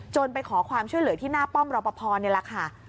ไปขอความช่วยเหลือที่หน้าป้อมรอปภนี่แหละค่ะ